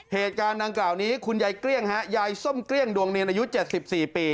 เหตุการณ์ดังกล่าวนี้คุณยายเกลี้ยงฮะยายส้มเกลี้ยงดวงเนียนอายุ๗๔ปี